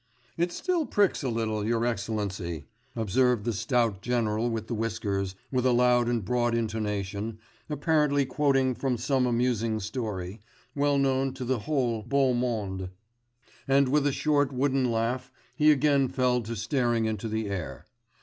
'It still pricks a little, your excellency,' observed the stout general with the whiskers, with a loud and broad intonation, apparently quoting from some amusing story, well known to the whole beau monde, and, with a short wooden laugh he again fell to staring into the air.